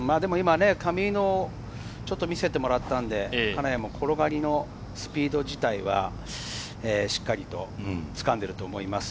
上井のをちょっと見せてもらったので、金谷も転がりのスピード自体はしっかりと掴んでいると思います。